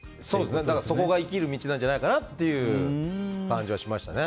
そこが生きる道なんじゃないかなっていう感じはしましたね。